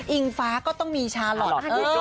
ฟ้าก็ต้องมีชาลอท